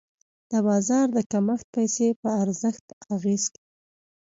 د بازار د کمښت پیسې په ارزښت اغېز کوي.